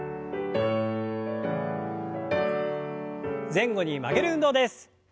前後に曲げる運動です。